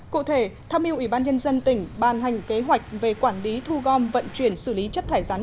cụ thể tham mưu ủy ban nhân dân tỉnh ban hành kế hoạch về quản lý thu gom vận chuyển xử lý chất thải rắn